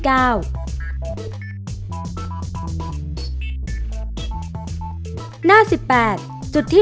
จุดที่๓รวมภาพธนบัตรที่ระลึกรัชสมัยรัชกาลที่๙